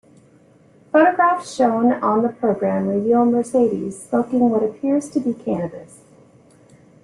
Photographs shown on the program reveal Mercedes smoking what appears to be cannabis.